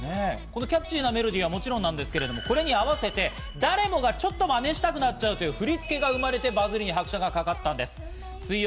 このキャッチーなメロディーはもちろんなんですが、これに合わせて誰もがちょっとマネしたくなっちゃうという振り付けが生まれて、バズりに拍車がかかったんです。